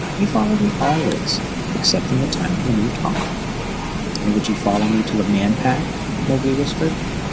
"We follow thee always, except in the Time of the New Talk." "And would ye follow me to the Man Pack?" Mowgli whispered.